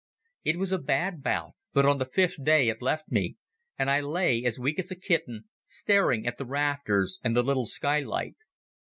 It was a bad bout, but on the fifth day it left me, and I lay, as weak as a kitten, staring at the rafters and the little skylight.